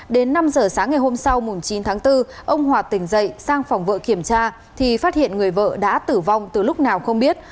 đến năm giờ sáng ngày hôm sau chín tháng bốn ông hòa tỉnh dậy sang phòng vợ kiểm tra thì phát hiện người vợ đã tử vong từ lúc nào không biết